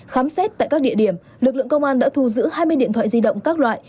khám xét tại các địa điểm lực lượng công an đã thu giữ hai mươi điện thoại di động các loại